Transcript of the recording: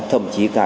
thậm chí cả